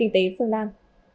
kinh tế phương nam